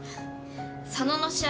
佐野の試合